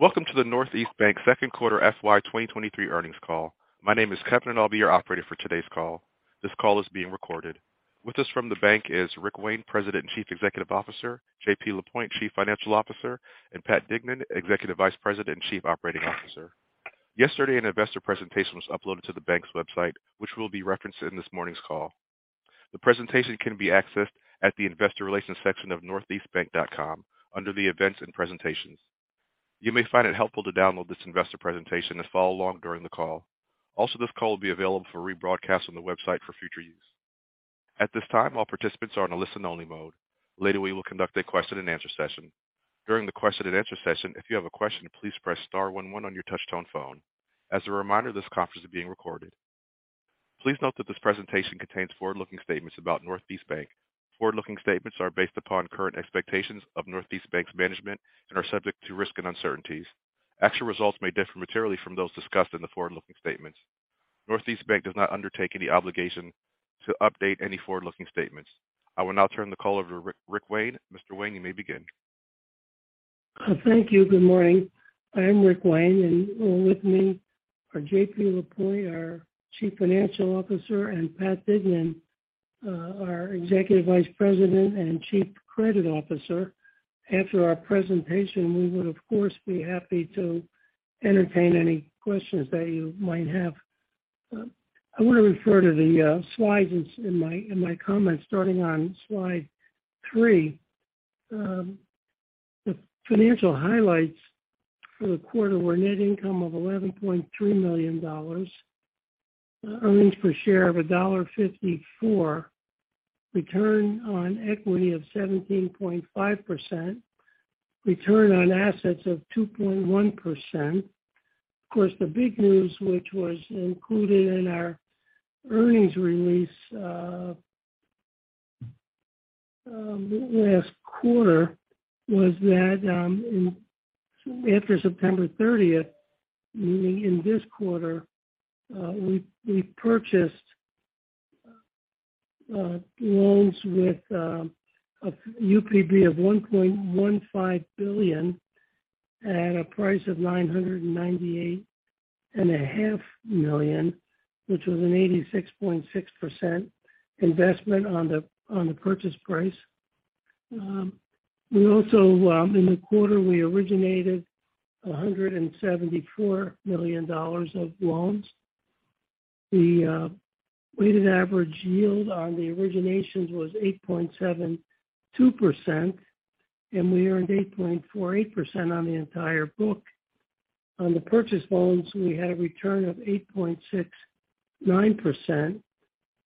Welcome to the Northeast Bank Second Quarter FY 2023 Earnings Call. My name is Kevin, and I'll be your operator for today's call. This call is being recorded. With us from the bank is Rick Wayne, President and Chief Executive Officer, JP Lapointe, Chief Financial Officer, and Pat Dignan, Executive Vice President and Chief Operating Officer. Yesterday, an investor presentation was uploaded to the bank's website, which will be referenced in this morning's call. The presentation can be accessed at the investor relations section of northeastbank.com under the events and presentations. You may find it helpful to download this investor presentation and follow along during the call. This call will be available for rebroadcast on the website for future use. At this time, all participants are in a listen-only mode. Later, we will conduct a question-and-answer session. During the question-and-answer session, if you have a question, please press star one one on your touch-tone phone. As a reminder, this conference is being recorded. Please note that this presentation contains forward-looking statements about Northeast Bank. Forward-looking statements are based upon current expectations of Northeast Bank's management and are subject to risks and uncertainties. Actual results may differ materially from those discussed in the forward-looking statements. Northeast Bank does not undertake any obligation to update any forward-looking statements. I will now turn the call over to Rick Wayne. Mr. Wayne, you may begin. Thank you. Good morning. I am Rick Wayne, and with me are JP Lapointe, our Chief Financial Officer, and Pat Dignan, our Executive Vice President and Chief Credit Officer. After our presentation, we would of course be happy to entertain any questions that you might have. I wanna refer to the slides in my comments, starting on Slide 3. The financial highlights for the quarter were net income of $11.3 million, earnings per share of $1.54, return on equity of 17.5%, return on assets of 2.1%. Of course, the big news, which was included in our earnings release, last quarter was that, after September 30th, meaning in this quarter, we purchased loans with a UPB of $1.15 billion at a price of $998.5 million, which was an 86.6% investment on the purchase price. We also, in the quarter, we originated $174 million of loans. The weighted average yield on the originations was 8.72%, and we earned 8.48% on the entire book. On the purchase loans, we had a return of 8.69%.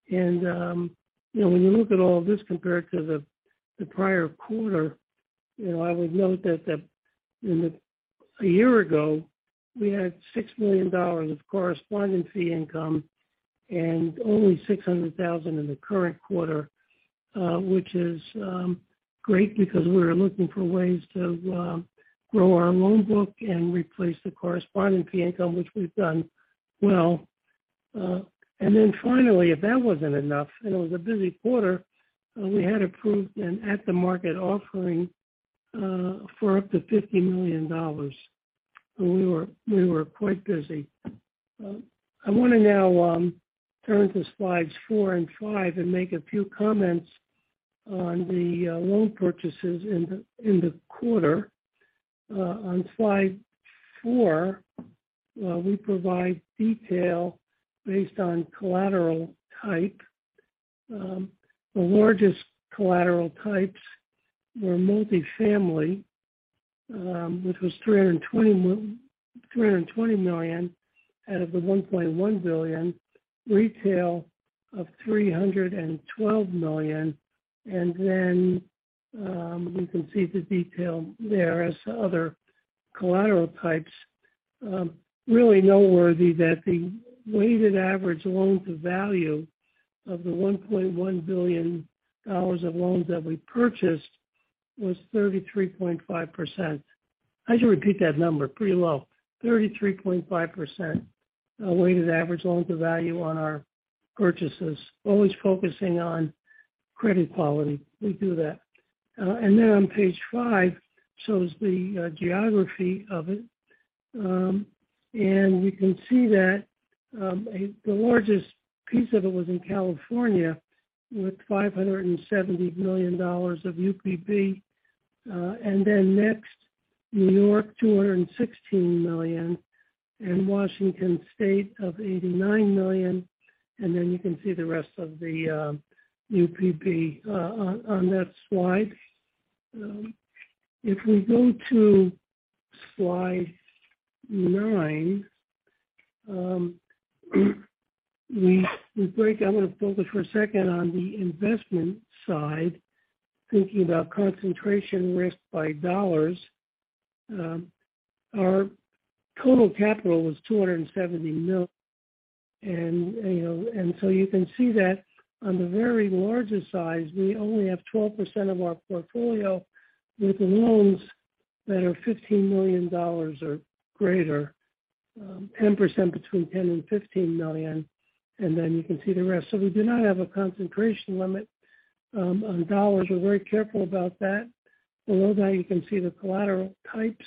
you know, when you look at all this compared to the prior quarter, you know, I would note that a year ago, we had $6 million of correspondent fee income and only $600,000 in the current quarter, which is great because we're looking for ways to grow our loan book and replace the correspondent fee income, which we've done well. Finally, if that wasn't enough, and it was a busy quarter, we had approved an at-the-market offering, for up to $50 million. We were quite busy. I wanna now turn to Slides 4 and 5 and make a few comments on the loan purchases in the quarter. On Slide 4, we provide detail based on collateral type. The largest collateral types were multifamily, which was $320 million out of the $1.1 billion, retail of $312 million, you can see the detail there as other collateral types. Really noteworthy that the weighted average Loan-to-Value of the $1.1 billion of loans that we purchased was 33.5%. I should repeat that number. Pretty low. 33.5%, weighted average Loan-to-Value on our purchases. Always focusing on credit quality, we do that. On page 5 shows the geography of it. We can see that the largest piece of it was in California with $570 million of UPB. Next, New York, $216 million, and Washington State of $89 million. You can see the rest of the UPB on that slide. If we go to Slide 9, I wanna focus for a second on the investment side, thinking about concentration risk by dollars. Our total capital was $270 million. You know, you can see that on the very largest size, we only have 12% of our portfolio with loans that are $15 million or greater. 10% between $10 million and $15 million, you can see the rest. We do not have a concentration limit on dollars. We're very careful about that. Below that, you can see the collateral types.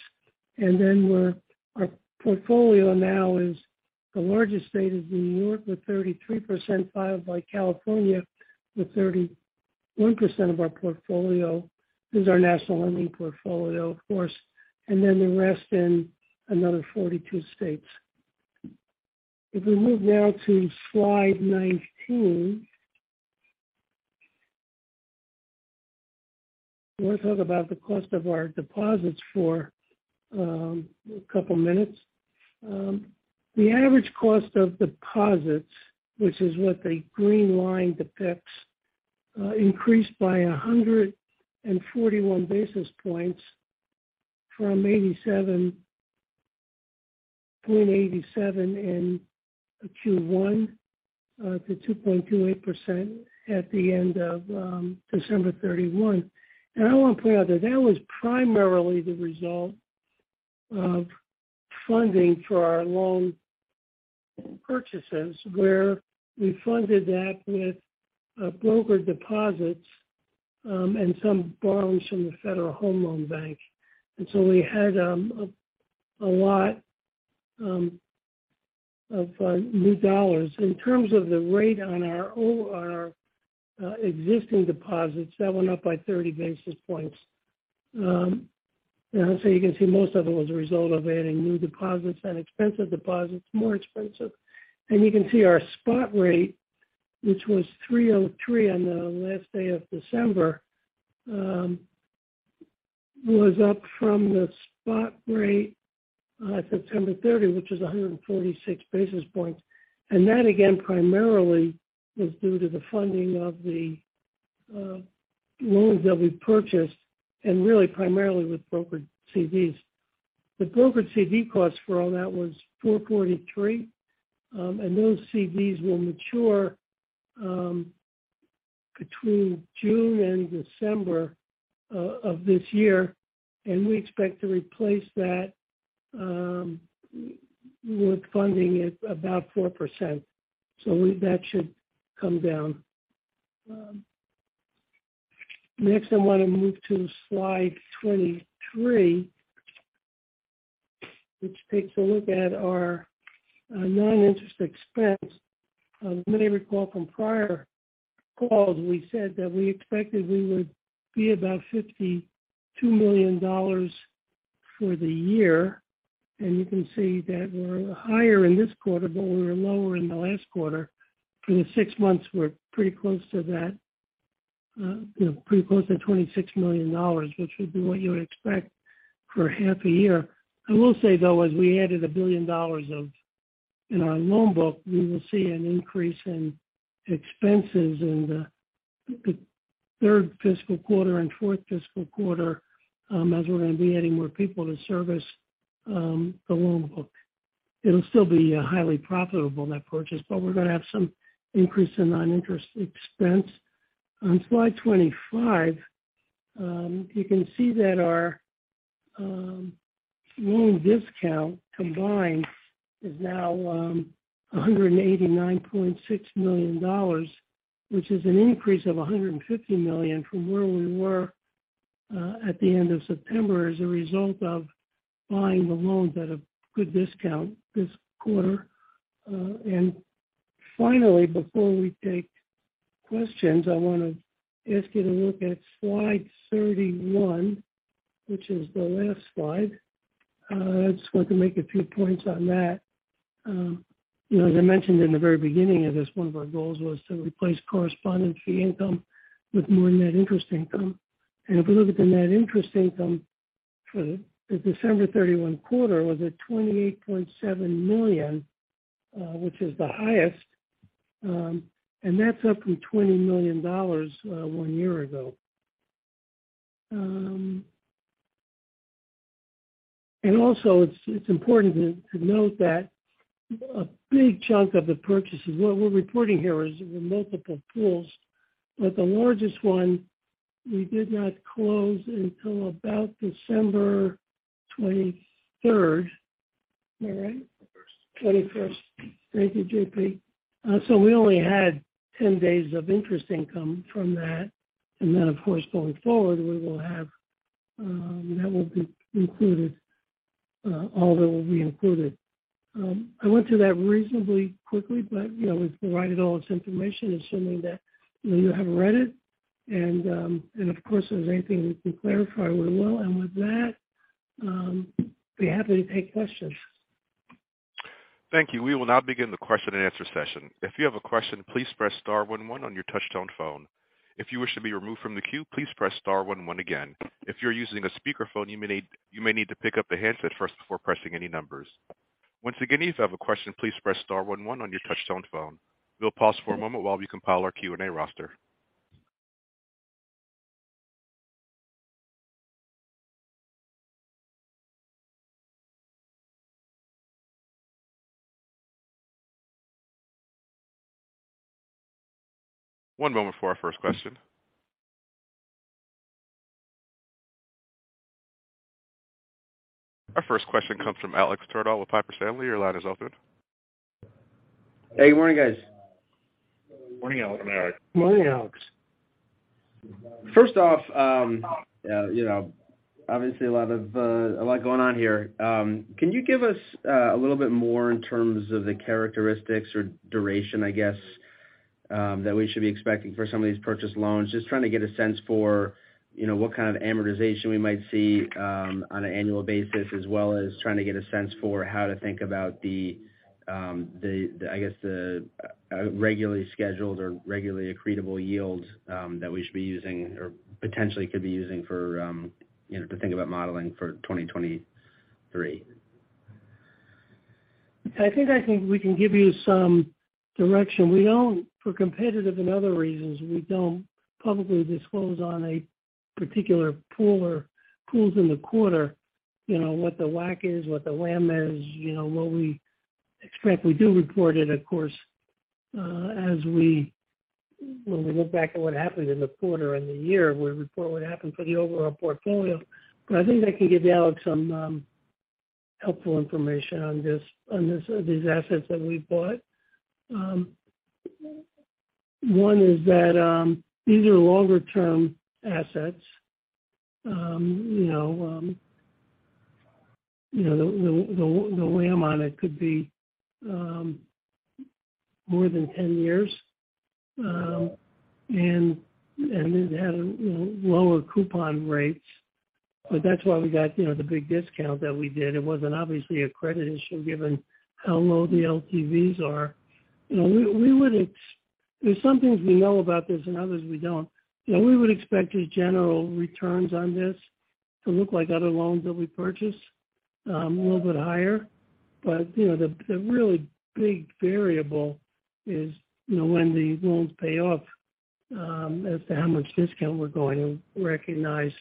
Our portfolio now is the largest state is New York, with 33% followed by California with 31% of our portfolio. This is our national lending portfolio, of course. The rest in another 42 states. If we move now to Slide 19. I want to talk about the cost of our deposits for a couple minutes. The average cost of deposits, which is what the green line depicts, increased by 141 basis points from 87.87 in Q1 to 2.28% at the end of December 31. I want to point out that that was primarily the result of funding for our loan purchases, where we funded that with broker deposits and some loans from the Federal Home Loan Bank. We had a lot of new dollars. In terms of the rate on our existing deposits, that went up by 30 basis points. You can see most of it was a result of adding new deposits and expensive deposits, more expensive. You can see our spot rate, which was 3.03 on the last day of December, was up from the spot rate on September 30, which is 146 basis points. That again primarily was due to the funding of the loans that we purchased and really primarily with brokered CDs. The brokered CD cost for all that was 4.43. Those CDs will mature between June and December of this year. We expect to replace that with funding at about 4%. That should come down. Next, I want to move to Slide 23, which takes a look at our non-interest expense. You may recall from prior calls, we said that we expected we would be about $52 million for the year. You can see that we're higher in this quarter, but we were lower in the last quarter. For the six months, we're pretty close to that, pretty close to $26 million, which would be what you would expect for half a year. I will say, though, as we added $1 billion of in our loan book, we will see an increase in expenses in the third fiscal quarter and fourth fiscal quarter, as we're going to be adding more people to service the loan book. It'll still be highly profitable, net purchase, we're gonna have some increase in non-interest expense. On Slide 25, you can see that our loan discount combined is now $189.6 million, which is an increase of $150 million from where we were at the end of September as a result of buying the loans at a good discount this quarter. Finally, before we take questions, I wanna ask you to look at Slide 31, which is the last slide. I just want to make a few points on that. You know, as I mentioned in the very beginning of this, one of our goals was to replace correspondent fee income with more net interest income. If we look at the net interest income for the December 31 quarter was at $28.7 million, which is the highest. That's up from $20 million, one year ago. Also it's important to note that a big chunk of the purchases what we're reporting here is multiple pools, but the largest one we did not close until about December 23rd. Am I right? First. 21st. Thank you, JP. We only had 10 days of interest income from that. Of course, going forward, we will have that will be included. All that will be included. I went through that reasonably quickly, you know, we've provided all this information, assuming that, you know, you have read it. Of course, if there's anything we can clarify, we will. With that, be happy to take questions. Thank you. We will now begin the question-and-answer session. If you have a question, please press star one one on your touchtone phone. If you wish to be removed from the queue, please press star one one again. If you're using a speakerphone, you may need to pick up the handset first before pressing any numbers. Once again, if you have a question, please press star one one on your touchtone phone. We'll pause for a moment while we compile our Q&A roster. One moment for our first question. Our first question comes from Alex Twerdahl with Piper Sandler. Your line is open. Hey, good morning, guys. Morning, Alex. First off, you know, obviously a lot of, a lot going on here. Can you give us a little bit more in terms of the characteristics or duration, I guess, that we should be expecting for some of these purchase loans? Just trying to get a sense for, you know, what kind of amortization we might see on an annual basis, as well as trying to get a sense for how to think about the, I guess, the regularly scheduled or regularly accretable yields that we should be using or potentially could be using for, you know, to think about modeling for 2023. I think I can. We can give you some direction. We don't, for competitive and other reasons, we don't publicly disclose on a particular pool or pools in the quarter, you know, what the WAC is, what the WAM is, you know, what we expect. We do report it, of course, as when we look back at what happened in the quarter and the year, we report what happened for the overall portfolio. I think I can give Alex some helpful information on these assets that we bought. One is that these are longer-term assets. You know, you know, the WAM on it could be more than 10 years, and it had, you know, lower coupon rates. That's why we got, you know, the big discount that we did. It wasn't obviously a credit issue given how low the LTVs are. You know, we would there's some things we know about this and others we don't. You know, we would expect the general returns on this to look like other loans that we purchase, a little bit higher. You know, the really big variable is, you know, when the loans pay off, as to how much discount we're going to recognize.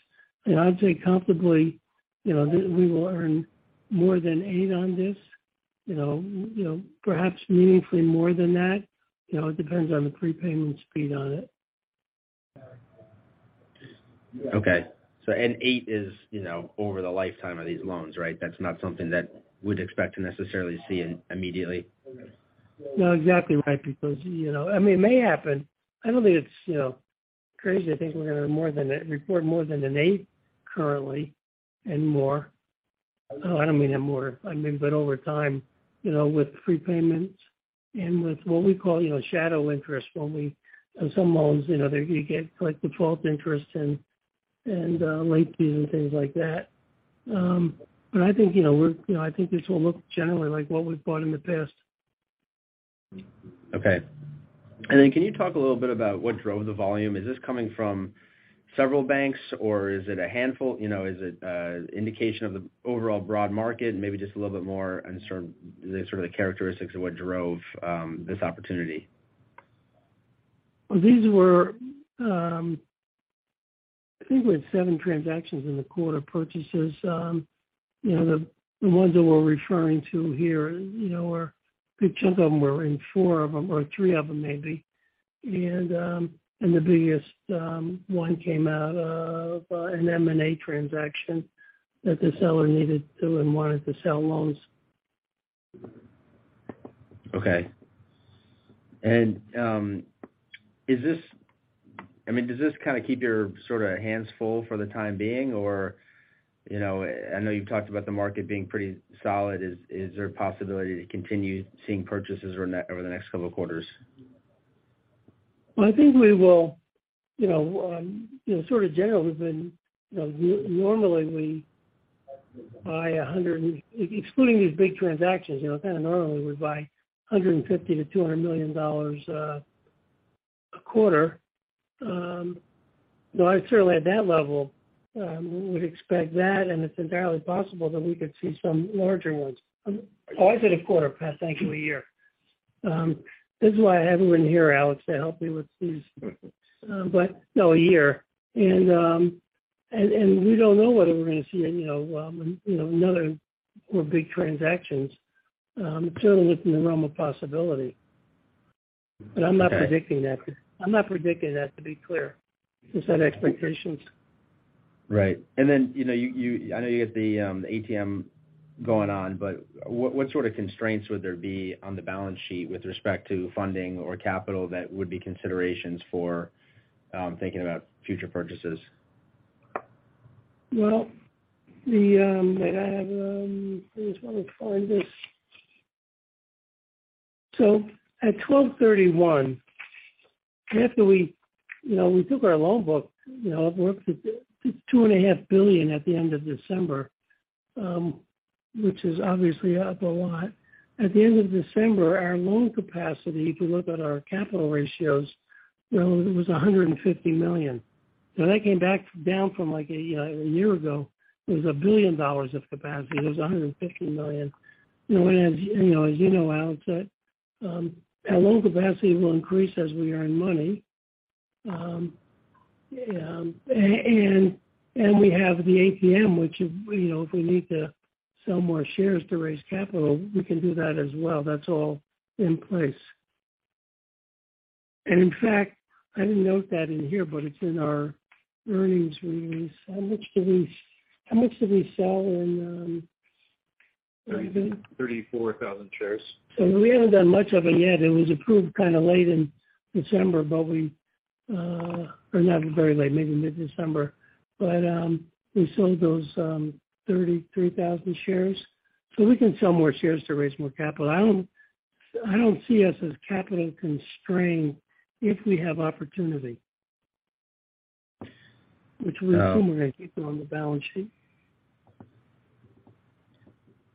I'd say comfortably, you know, we will earn more than eight on this, you know, perhaps meaningfully more than that. You know, it depends on the prepayment speed on it. Okay. An eight is, you know, over the lifetime of these loans, right? That's not something that we'd expect to necessarily see immediately. No, exactly right. You know, I mean, it may happen. I don't think it's, you know, crazy to think we're gonna report more than an eight currently and more. No, I don't mean and more. I mean, over time, you know, with prepayments and with what we call, you know, shadow interest when we, on some loans, you know, they're, you get like default interest and, late fees and things like that. I think, you know, we're, you know, I think this will look generally like what we've bought in the past. Okay. Can you talk a little bit about what drove the volume? Is this coming from several banks or is it a handful? You know, is it an indication of the overall broad market? Maybe just a little bit more on sort of the characteristics of what drove this opportunity. These were, I think we had seven transactions in the quarter purchases. You know, the ones that we're referring to here, you know, two of them were in four of them or edit of them maybe. The biggest one came out of an M&A transaction that the seller needed to and wanted to sell loans. Okay. I mean, does this kind of keep your sort of hands full for the time being or, you know, I know you've talked about the market being pretty solid. Is there a possibility to continue seeing purchases or net over the next couple of quarters? I think we will. You know, you know, sort of general we've been, you know, normally we buy excluding these big transactions, you know, kind of normally we buy $150 million-$200 million a quarter. Certainly at that level, we would expect that, and it's entirely possible that we could see some larger ones. Oh, I said a quarter, Pat. Thank you. A year. This is why I have everyone here, Alex, to help me with these. No, a year. We don't know whether we're gonna see, you know, you know, another or big transactions. It's certainly within the realm of possibility. Okay. I'm not predicting that. I'm not predicting that, to be clear. Just set expectations. Right. Then, you know, you I know you got the ATM going on, but what sort of constraints would there be on the balance sheet with respect to funding or capital that would be considerations for thinking about future purchases? Well, I just wanna find this. At 12/31, after we, you know, we took our loan book, you know, it worked at $2.5 billion at the end of December, which is obviously up a lot. At the end of December, our loan capacity to look at our capital ratios, you know, it was $150 million. That came back down from like a year ago. It was $1 billion of capacity. It was $150 million. You know, as you know, Alex, that our loan capacity will increase as we earn money, and we have the ATM, which is, you know, if we need to sell more shares to raise capital, we can do that as well. That's all in place. In fact, I didn't note that in here, but it's in our earnings release. How much did we sell in? 34,000 shares. We haven't done much of it yet. It was approved kinda late in December, but we-- or not very late, maybe mid-December. We sold those 33,000 shares, so we can sell more shares to raise more capital. I don't see us as capital constrained if we have opportunity, which we assume we're gonna keep it on the balance sheet.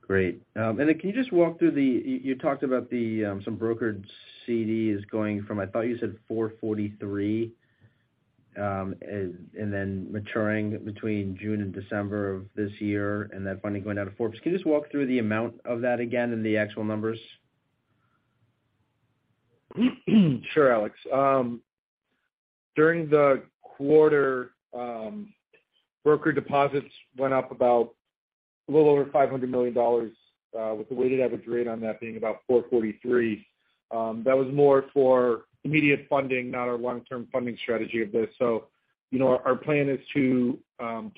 Great. You talked about the some brokered CDs going from, I thought you said 4.43, maturing between June and December of this year, finally going down to four. Can you just walk through the amount of that again and the actual numbers? Sure, Alex. During the quarter, broker deposits went up about a little over $500 million, with the weighted average rate on that being about 4.43%. That was more for immediate funding, not our long-term funding strategy of this. You know, our plan is to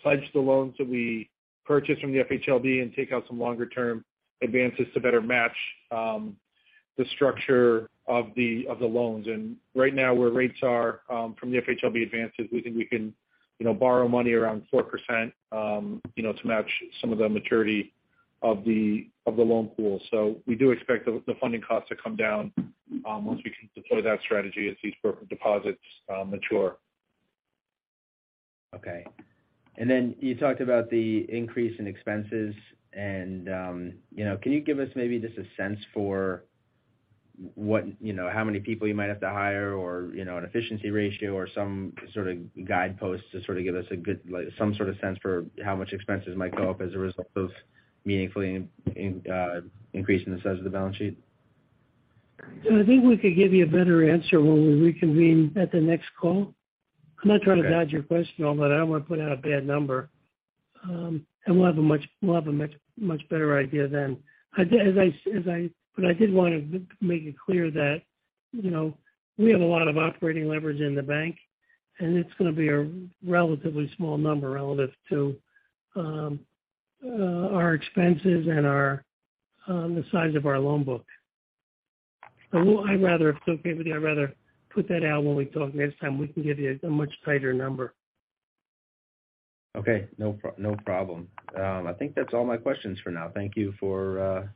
pledge the loans that we purchase from the FHLB and take out some longer-term advances to better match the structure of the loans. Right now, where rates are from the FHLB advances, we think we can, you know, borrow money around 4%, you know, to match some of the maturity of the loan pool. We do expect the funding costs to come down once we can deploy that strategy as these broker deposits mature. Okay. You talked about the increase in expenses and, you know, can you give us maybe just a sense for how many people you might have to hire or, you know, an efficiency ratio or some sort of guideposts to sort of give us a good, like, some sort of sense for how much expenses might go up as a result of meaningfully increasing the size of the balance sheet? I think we could give you a better answer when we reconvene at the next call. I'm not trying to dodge your question at all, but I don't want to put out a bad number. We'll have a much, much better idea then. I did want to make it clear that, you know, we have a lot of operating leverage in the bank, and it's gonna be a relatively small number relative to our expenses and our the size of our loan book. I'd rather, if it's okay with you, I'd rather put that out when we talk next time. We can give you a much tighter number. Okay. No problem. I think that's all my questions for now. Thank you for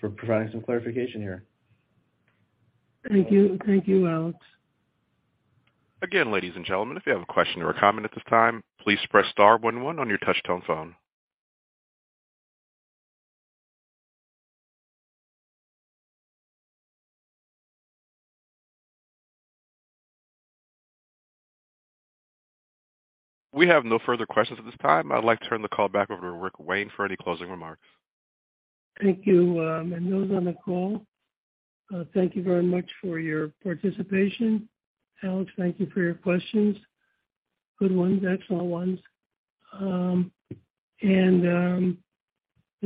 for providing some clarification here. Thank you. Thank you, Alex. Again, ladies and gentlemen, if you have a question or a comment at this time, please press star one one on your touchtone phone. We have no further questions at this time. I'd like to turn the call back over to Rick Wayne for any closing remarks. Thank you. Those on the call, thank you very much for your participation. Alex, thank you for your questions. Good ones. Excellent ones. You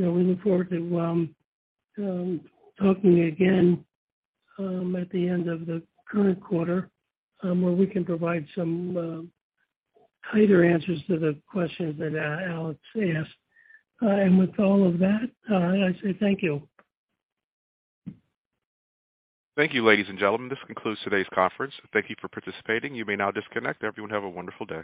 know, we look forward to talking again at the end of the current quarter, where we can provide some tighter answers to the questions that Alex asked. With all of that, I say thank you. Thank you, ladies and gentlemen. This concludes today's conference. Thank you for participating. You may now disconnect. Everyone, have a wonderful day.